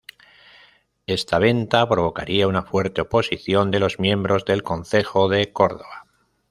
Esta venta provocaría una fuerte oposición de los miembros del concejo de Córdoba.